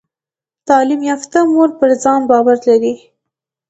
تعلیم یافته مور پر ځان باور لري۔